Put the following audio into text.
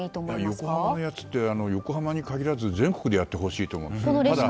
横浜のやつ、横浜に限らず全国でやってほしいですね。